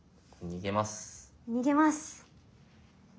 逃げます。